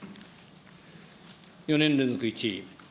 ４年連続１位。